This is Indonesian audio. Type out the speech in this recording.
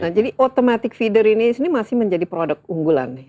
nah jadi automatic feeder ini masih menjadi produk unggulan